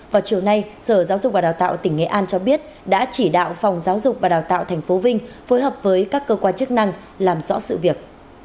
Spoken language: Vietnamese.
vào chiều nay sở giáo dục và đào tạo tỉnh nghệ an cho biết đã chỉ đạo phòng giáo dục và đào tạo tp vinh phối hợp với các cơ quan chức năng làm rõ sự việc